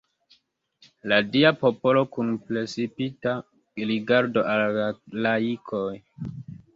La Dia popolo kun precipa rigardo al la laikoj.